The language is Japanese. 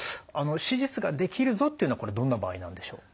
手術ができるぞっていうのはこれどんな場合なんでしょう？